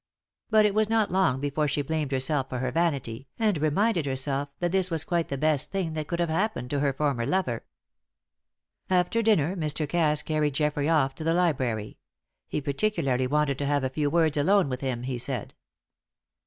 But it was not long before she blamed herself for her vanity, and reminded herself that this was quite the best thing that could have happened to her former lover. After dinner Mr. Cass carried Geoffrey off to the library; he particularly wanted to have a few words alone with him, he said.